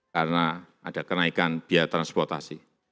karena ada kenaikan biaya transportasi